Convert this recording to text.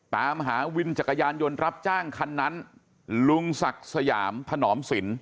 ตามหาวินจักรยานยนต์รับจ้างคันนั้นลุงศักดิ์สยามถนอมสิน